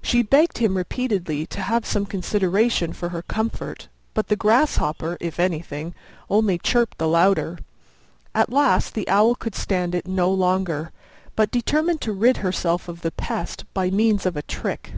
She begged him repeatedly to have some consideration for her comfort, but the Grasshopper, if anything, only chirped the louder. At last the Owl could stand it no longer, but determined to rid herself of the pest by means of a trick.